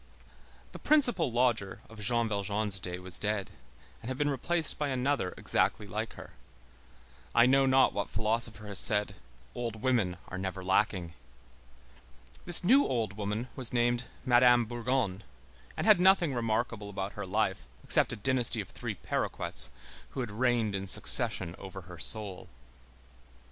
The "principal lodger" of Jean Valjean's day was dead and had been replaced by another exactly like her. I know not what philosopher has said: "Old women are never lacking." This new old woman was named Madame Bourgon, and had nothing remarkable about her life except a dynasty of three paroquets, who had reigned in succession over her soul.